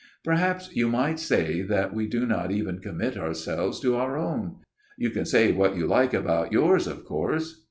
" Perhaps you might say that we do not even commit ourselves to our own. You can say what you like about yours, of course."